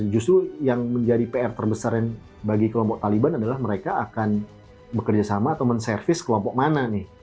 justru yang menjadi pr terbesar bagi kelompok taliban adalah mereka akan bekerja sama atau menservis kelompok mana nih